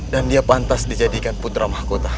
dan dia pantas dijadikan putra mahakota